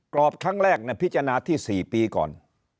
กรอบครั้งแรกพิจารณาที่๔ปีก่อน